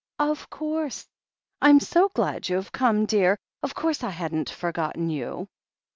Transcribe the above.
Of course! Fm so glad you've come, dear— of course I hadn't forgotten you."